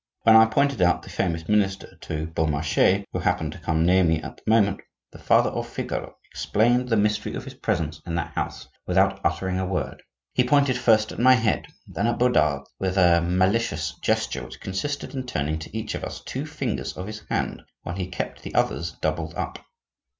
When I pointed out the famous minister to Beaumarchais, who happened to come near me at that moment, the father of Figaro explained the mystery of his presence in that house without uttering a word. He pointed first at my head, then at Bodard's with a malicious gesture which consisted in turning to each of us two fingers of his hand while he kept the others doubled up.